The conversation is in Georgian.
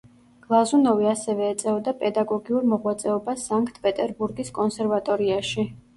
გლაზუნოვი ასევე ეწეოდა პედაგოგიურ მოღვაწეობას სანქტ-პეტერბურგის კონსერვატორიაში.